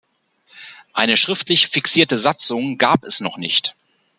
Eine schriftlich fixierte Satzung gab es noch nicht.